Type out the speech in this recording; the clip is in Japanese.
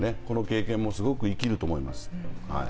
この経験もすごく生きると思います。